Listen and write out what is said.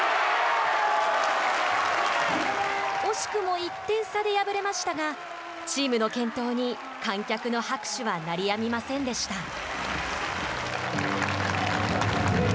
惜しくも１点差で敗れましたがチームの健闘に観客の拍手は鳴りやみませんでした。